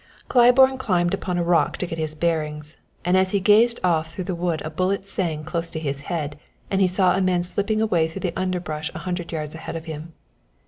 Claiborne climbed upon a rock to get his bearings, and as he gazed off through the wood a bullet sang close to his head and he saw a man slipping away through the underbrush a hundred yards ahead of him.